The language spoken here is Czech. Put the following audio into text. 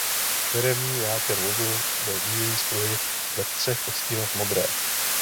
Firemní nátěr vozů byl bílý s pruhy ve třech odstínech modré.